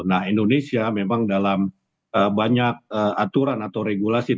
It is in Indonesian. nah indonesia memang dalam banyak aturan atau regulasi